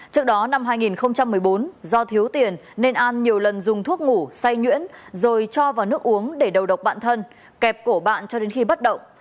trước đó năm hai nghìn một mươi bốn do thiếu tiền nên an nhiều lần dùng thuốc ngủ say nhuyễn rồi cho vào nước uống để đầu độc bản thân kẹp cổ bạn cho đến khi bắt động